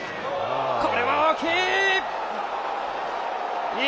これは大きい！